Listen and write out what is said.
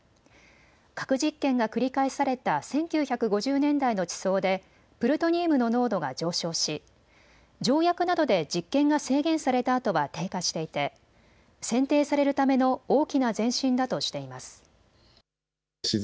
核実験が繰り返された１９５０年代の地層でプルトニウムの濃度が上昇し条約などで実験が制限されたあとは低下していて選定されるための大きな前進だとしています。